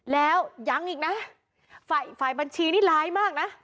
แล้วยังอีกนะฝ่ายบัญชีนี่ร้ายมากนะ